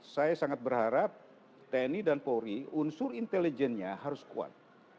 saya sangat berharap tni dan polri unsur intelijennya harus kuat